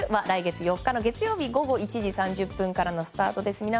来月４日の月曜日午後１時３０分からのスタートです。